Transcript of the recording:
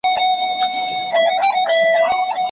ته باید په خپل ځان باندې باور ولرې.